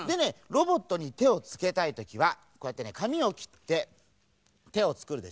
ロボットにてをつけたいときはこうやってねかみをきっててをつくるでしょ。